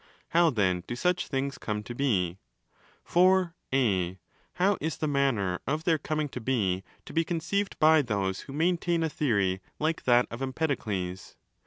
How, then, do such things come to be? For (a) how is the manner of their coming to be to be conceived by those who maintain a theory like that of Empedokles?